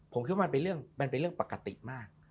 ผมคิดว่ามันเป็นเรื่องปกติมาก